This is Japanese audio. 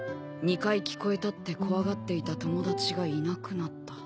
「『２回聞こえた』って怖がっていた友達がいなくなった」